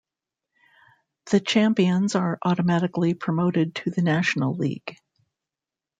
The champions are automatically promoted to the National League.